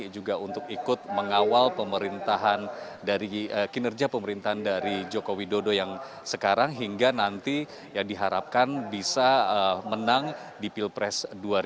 juga untuk ikut mengawal pemerintahan dari kinerja pemerintahan dari joko widodo yang sekarang hingga nanti yang diharapkan bisa menang di pilpres dua ribu sembilan belas